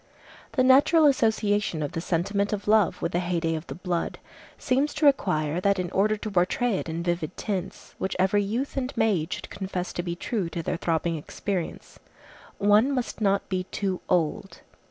The natural association of the sentiment of love with the heyday of the blood seems to require that in order to portray it in vivid tints, which every youth and maid should confess to be true to their throbbing experience, one must not be too old.